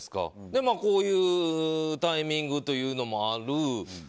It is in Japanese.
それで、こういうタイミングというのもある。